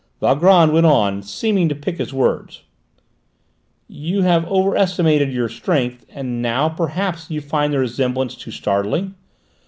Valgrand went on, seeming to pick his words. "You have overestimated your strength, and now perhaps you find the resemblance too startling?